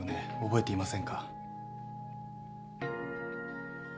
覚えていませんか？